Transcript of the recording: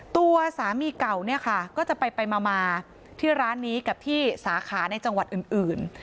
ตัวสามีเก่าเนี่ยค่ะก็จะไปมาที่ร้านนี้กับที่สาขาในจังหวัดอื่น